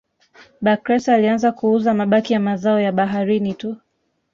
Bakhresa alianza kuuza mabaki ya mazao ya baharini tu